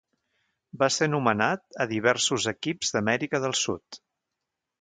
Va ser nomenat a diversos equips d'Amèrica del Sud.